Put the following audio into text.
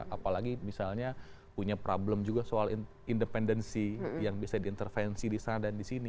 apalagi misalnya punya problem juga soal independensi yang bisa diintervensi di sana dan di sini